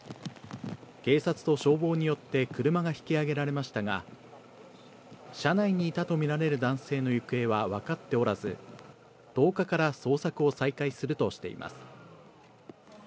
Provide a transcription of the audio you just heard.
警察と消防によって車が引き上げられましたが、車内にいたと見られる男性の行方は分かっておらず、１０日から捜索を再開するとしています。